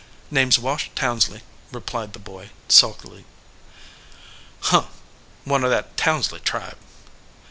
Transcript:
"Name s Wash Townsley," replied the boy, sulkily. "Huh! one of that Townsley tribe."